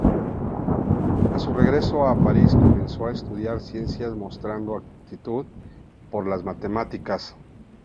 A su regreso a París, comenzó a estudiar ciencias, mostrando aptitud por las matemáticas.